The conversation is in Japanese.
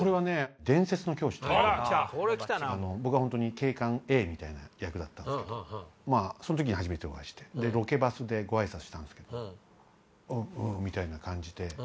『伝説の教師』というドラマで僕は警官Ａみたいな役だったんですけどその時に初めてお会いしてロケバスで挨拶したんですけど「ああぁ」みたいな感じで。